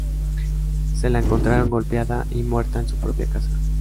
Se la encontraron golpeada y muerta en su propia casa.